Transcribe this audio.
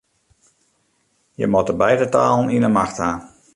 Je moatte beide talen yn 'e macht ha.